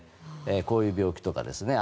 こういう病気とかですね。